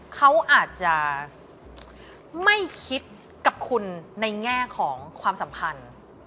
เขาอาจจะไม่คิดกับคุณในแง่ของความสัมพันธ์